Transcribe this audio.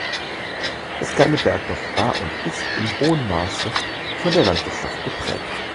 Das kleine Bergdorf war und ist in hohem Maße von der Landwirtschaft geprägt.